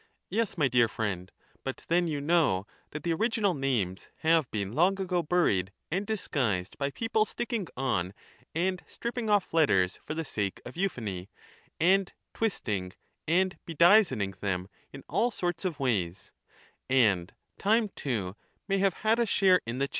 Yes, my dear friend ; but then you know that the original names have been long ago buried and disguised by people sticking on and stripping off letters for the sake of euphony, and twisting and bedizening them in all sorts of ways: and time too may have had a share in the change.